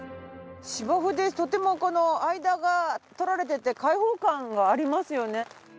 芝生でとてもこの間が取られてて開放感がありますよね。